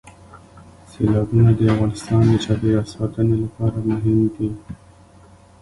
سیلابونه د افغانستان د چاپیریال ساتنې لپاره مهم دي.